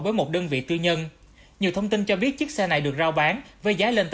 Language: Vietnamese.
bởi một đơn vị tư nhân nhiều thông tin cho biết chiếc xe này được rau bánh bánh xèo bánh xèo